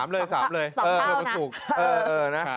๓เลย๒เท่านะ